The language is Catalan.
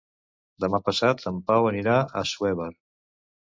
Demà passat en Pau anirà a Assuévar.